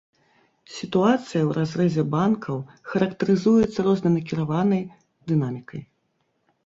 Сітуацыя ў разрэзе банкаў характарызуецца рознанакіраванай дынамікай.